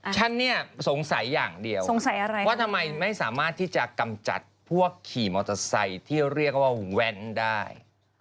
ฉันเนี่ยสงสัยอย่างเดียวสงสัยอะไรว่าทำไมไม่สามารถที่จะกำจัดพวกขี่มอเตอร์ไซค์ที่เรียกว่าแว้นได้